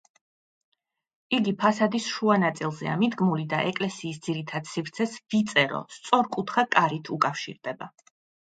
იგი ფასადის შუა ნაწილზეა მიდგმული და ეკლესიის ძირითად სივრცეს ვიწერო, სწორკუთხა კარით უკავშირდება.